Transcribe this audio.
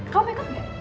kau make up gak